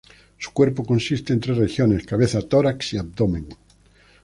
Su cuerpo consiste en tres regiones: cabeza, tórax y abdomen.